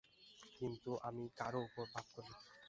কিন্তু আমি কারও উপর পাপ করি নি।